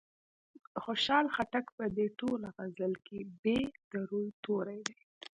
د خوشال خټک په دې ټوله غزل کې ب د روي توری دی.